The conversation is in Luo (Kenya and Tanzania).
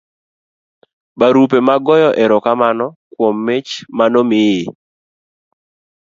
barupe mag goyo erokamano kuom mich manomiyi